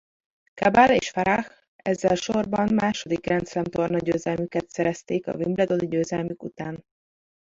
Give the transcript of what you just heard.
Cabal és Farah ezzel sorban második Grand Slam-tornagyőzelmüket szerezték a wimbledoni győzelmük után.